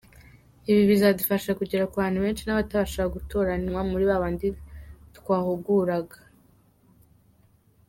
Ibi bizadufasha kugera ku bantu benshi n’abatabashaga gutoranywa muri babandi twahuguraga.